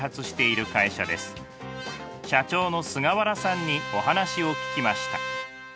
社長の菅原さんにお話を聞きました。